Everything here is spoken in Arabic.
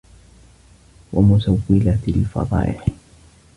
وَمُسَوِّلَةُ الْفَضَائِحِ